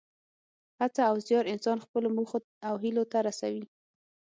هڅه او زیار انسان خپلو موخو او هیلو ته رسوي.